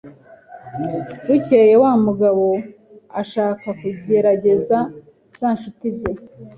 Bukeye wa mugabo ashaka kugerageza za nshuti ze.